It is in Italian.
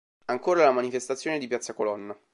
Ancora la manifestazione di Piazza Colonna.